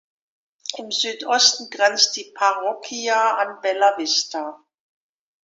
Im Südosten grenzt die Parroquia an Bellavista.